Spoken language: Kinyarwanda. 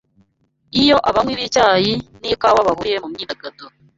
iyo abanywi b’icyayi n’ikawa bahuriye mu myidagaduro